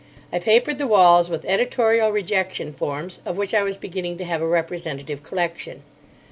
I papered the walls with editorial rejection forms, of which I was beginning to have a representative collection.